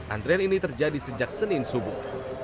antrian ini terjadi sejak senin subuh